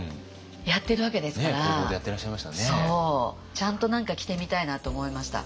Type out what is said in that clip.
ちゃんと何か着てみたいなと思いました。